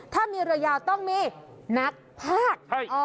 ถ้ามีเรือยาวต้องมีนักภาค